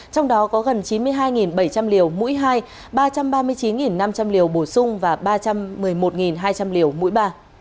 trong đó có gần chín mươi hai bảy trăm linh liều mũi hai ba trăm ba mươi chín năm trăm linh liều bổ sung và ba trăm một mươi một hai trăm linh liều mũi ba